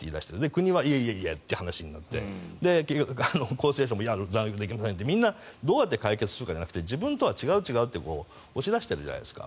国はいやいやという話になって結局、厚生省もできませんってみんなどうやって解決するかじゃなくて自分とは違う、違うって押し出してるじゃないですか。